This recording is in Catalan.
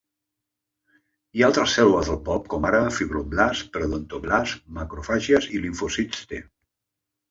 Hi ha altres cèl·lules al pop com ara fibroblasts, preodontoblasts, macrofàgies i limfòcits T.